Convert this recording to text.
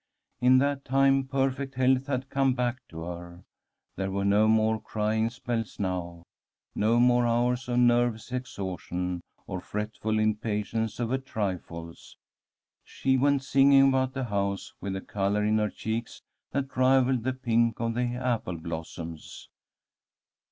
In that time perfect health had come back to her. There were no more crying spells now, no more hours of nervous exhaustion, of fretful impatience over trifles. She went singing about the house, with a colour in her cheeks that rivalled the pink of the apple blossoms.